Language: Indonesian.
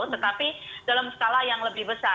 tetapi dalam skala yang lebih besar